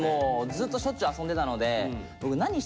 ずっとしょっちゅう遊んでたのであ